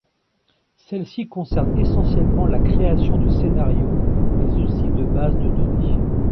Celle-ci concerne essentiellement la création de scénarios, mais aussi de bases de données.